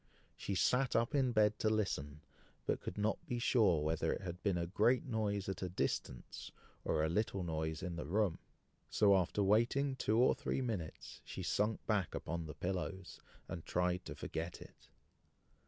She sat up in bed to listen, but could not be sure whether it had been a great noise at a distance, or a little noise in the room; so after waiting two or three minutes, she sunk back upon the pillows, and tried to forget it.